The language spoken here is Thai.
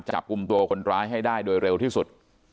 จับกลุ่มตัวคนร้ายให้ได้โดยเร็วที่สุด